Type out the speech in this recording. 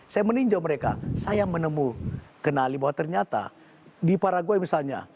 saya meninjau mereka saya menemukan kenali bahwa ternyata di paraguay misalnya